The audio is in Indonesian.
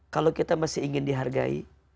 kalau kita masih ingin dihargai